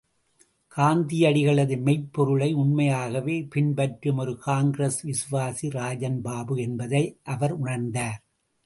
காந்தியடிகளது மெய்ப் பொருளை உண்மையாகவே பின்பற்றும் ஒரு காங்கிரஸ் விசுவாசி ராஜன் பாபு என்பதை அவர் உணர்ந்தார்.